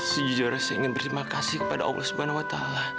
sejujurnya saya ingin berterima kasih kepada allah swt